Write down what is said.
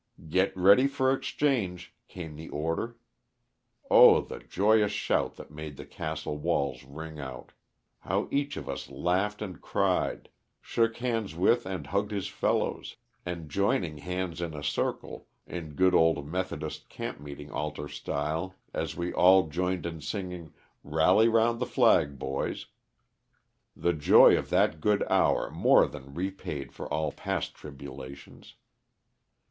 Get ready for exchange," came the order. Oh! the joyous shout that made the castle walls ring out. How each of us laughed and cried, shook hands with and hugged his fellows, and joining hands in a 16 114 LOSS OF THE SULTANA. circle, in good old Methodist campmeeting altar style, as we all joined in singing '* Rally Round the Flag, Boys." The joy of that good hour more than repaid for all past tribulations.